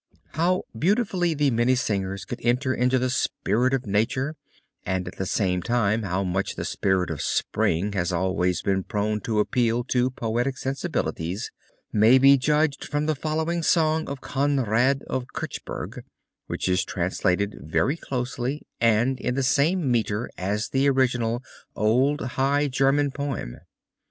How beautifully the Minnesingers could enter into the spirit of nature and at the same time how much the spirit of Spring has always been prone to appeal to poetic sensibilities may be judged from the following song of Conrad of Kirchberg, which is translated very closely and in the same meter as the original old high German poem.